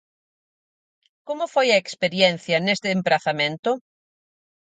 Como foi a experiencia neste emprazamento?